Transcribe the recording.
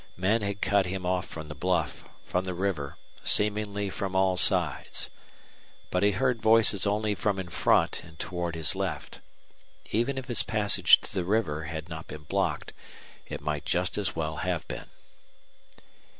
Men had cut him off from the bluff, from the river, seemingly from all sides. But he heard voices only from in front and toward his left. Even if his passage to the river had not been blocked, it might just as well have been.